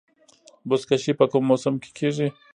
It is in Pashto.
بزکشي په کوم موسم کې کیږي؟